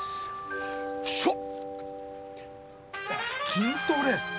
筋トレ。